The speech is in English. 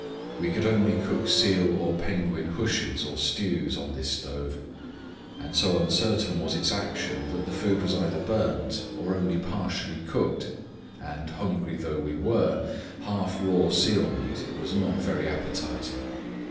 We could only cook seal or penguin hooshes or stews on this stove, and so uncertain was its action that the food was either burnt or only partially cooked; and, hungry though we were, half raw seal meat was not very appetizing.